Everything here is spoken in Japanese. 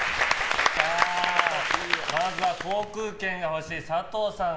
まずは航空券が欲しい佐藤さん